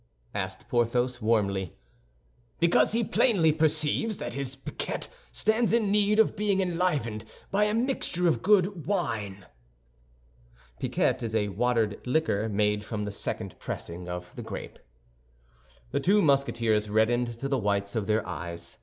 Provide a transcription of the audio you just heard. asked Porthos, warmly. "Because he plainly perceives that his piquette* stands in need of being enlivened by a mixture of good wine." * A watered liquor, made from the second pressing of the grape. The two Musketeers reddened to the whites of their eyes.